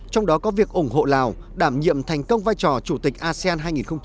trong đó có việc ủng hộ lào đảm nhiệm thành công vai trò chủ tịch asean hai nghìn hai mươi